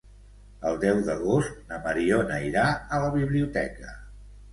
El deu d'agost na Mariona irà a la biblioteca.